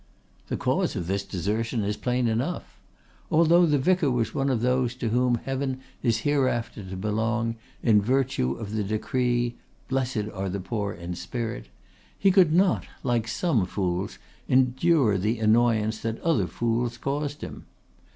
The cause of this desertion is plain enough. Although the vicar was one of those to whom heaven is hereafter to belong in virtue of the decree "Blessed are the poor in spirit," he could not, like some fools, endure the annoyance that other fools caused him.